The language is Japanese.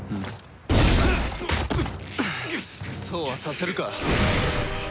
そうはさせるか。